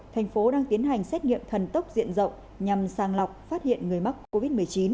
thành phố đang tiến hành xét nghiệm thần tốc diện rộng nhằm sàng lọc phát hiện người mắc covid một mươi chín